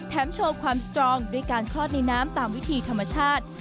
โชว์ความสตรองด้วยการคลอดในน้ำตามวิธีธรรมชาติ